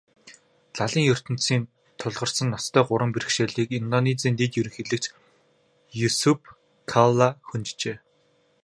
Лалын ертөнцөд тулгарсан ноцтой гурван бэрхшээлийг Индонезийн дэд ерөнхийлөгч Юсуф Калла хөнджээ.